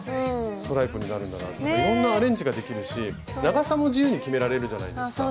ストライプになるんだなとかいろんなアレンジができるし長さも自由に決められるじゃないですか。